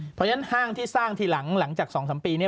เพราะฉะนั้นห้างที่สร้างทีหลังหลังจาก๒๓ปี